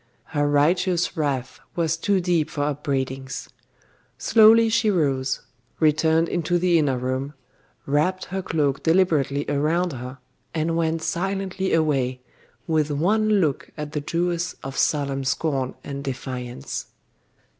Her righteous wrath was too deep for upbraidings. Slowly she rose; returned into the inner room; wrapped her cloak deliberately around her; and went silently away, with one look at the Jewess of solemn scorn and defiance.